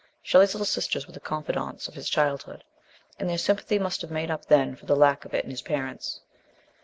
Shelley's little sisters were the confidants of his childhood, and their sympathy must have made up then for the lack of it in his parents.